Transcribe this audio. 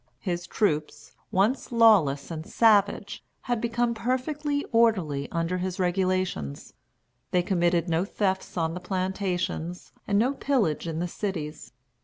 His troops, once lawless and savage, had become perfectly orderly under his regulations. They committed no thefts on the plantations and no pillage in the cities.